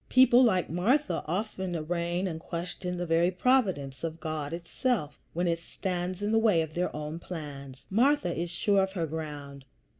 People like Martha often arraign and question the very providence of God itself when it stands in the way of their own plans. Martha is sure of her ground.